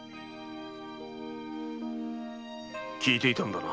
聞いていたんだな？